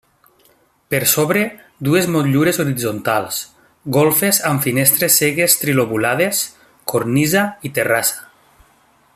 Per sobre, dues motllures horitzontals, golfes amb finestres cegues trilobulades, cornisa i terrassa.